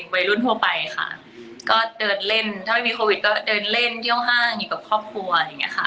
วัยรุ่นทั่วไปค่ะก็เดินเล่นถ้าไม่มีโควิดก็เดินเล่นเยี่ยวห้างอยู่กับครอบครัวอะไรอย่างเงี้ค่ะ